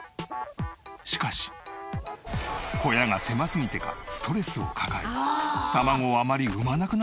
しかし小屋が狭すぎてかストレスを抱え卵をあまり産まなくなってしまったそう。